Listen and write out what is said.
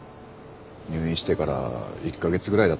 入院してから１か月ぐらいだったかな。